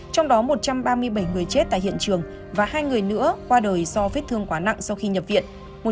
trong đó một trăm ba mươi bảy người chết tại hiện trường và hai người nữa qua đời do vết thương quá nặng sau khi nhập viện